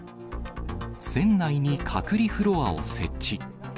船内に隔離フロアを設置。